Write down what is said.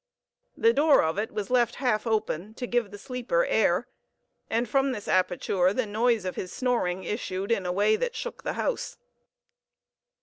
The door of it was left half open to give the sleeper air, and from this aperture the noise of his snoring issued in a way that shook the house.